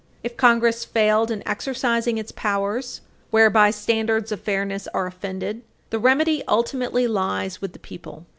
If Congress failed in exercising its powers, whereby standards of fairness are offended, the remedy ultimately lies with the people.